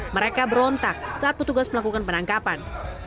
mereka berontak saat petugas melakukan penangkapan